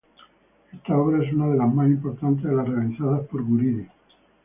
Esta obra es una de las más importantes de las realizadas por Guridi.